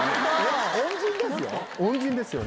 恩人ですよ？